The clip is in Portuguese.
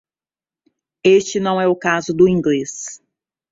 Este não é o caso do inglês.